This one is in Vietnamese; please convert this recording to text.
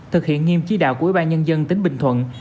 thực hiện nghiêm chỉ đạo của ủy ban nhân dân tỉnh bình thuận